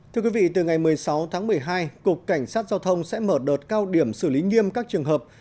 thưa quý vị từ ngày một mươi sáu tháng một mươi hai cục cảnh sát giao thông sẽ mở đợt cao điểm xử lý nghiêm các trường hợp